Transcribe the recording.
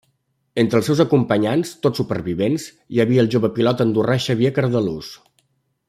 Entre els seus acompanyants, tots supervivents, hi havia el jove pilot andorrà Xavier Cardelús.